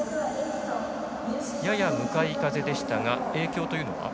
やや向かい風でしたが影響というのは？